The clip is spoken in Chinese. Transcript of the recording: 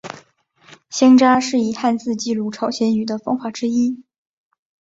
乡札是以汉字记录朝鲜语的方法之一。